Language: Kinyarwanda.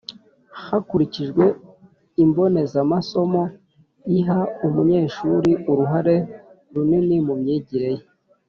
hakurikijwe imbonezamasomo iha umunyeshuri uruhare runini mu myigire ye,